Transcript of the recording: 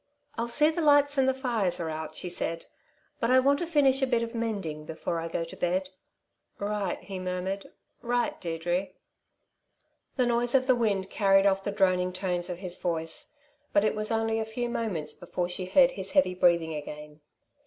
"I'll see the lights and the fires are out," she said, "but I want to finish a bit of mending before I go to bed." "Right," he murmured. "Right, Deirdre!" The noise of the wind carried off the droning tones of his voice; but it was only a few moments before she heard his heavy breathing again.